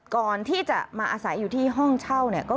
ก่อนที่จะมาอาศัยอยู่ที่ห้องเช่าเนี่ย